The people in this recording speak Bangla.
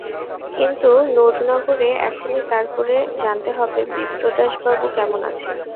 কিন্তু নুরনগরে এখনই তার করে জানতে হবে বিপ্রদাসবাবু কেমন আছেন।